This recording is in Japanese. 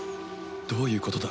どういうことだ？